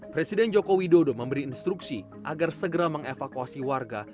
presiden joko widodo memberi instruksi agar segera mengevakuasi warga